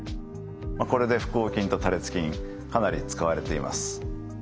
これで腹横筋と多裂筋かなり使われています。